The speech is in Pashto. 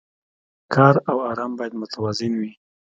کار او ارام باید متوازن وي.